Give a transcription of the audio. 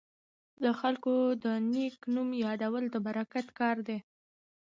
د خلکو د نیک نوم یادول د برکت کار دی.